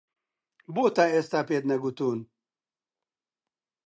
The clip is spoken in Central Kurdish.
بۆ تا ئێستا پێت نەگوتوون؟